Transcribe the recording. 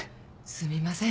すみません